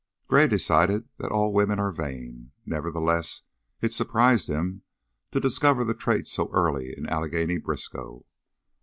Gray decided that all women are vain. Nevertheless, it surprised him to discover the trait so early in Allegheny Briskow.